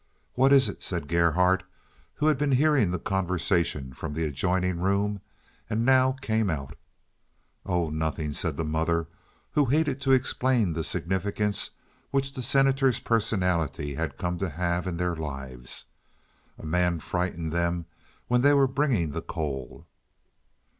"What is it?" said Gerhardt, who had been hearing the conversation from the adjoining room, and now came out. "Oh, nothing," said the mother, who hated to explain the significance which the Senator's personality had come to have in their lives. "A man frightened them when they were bringing the coal."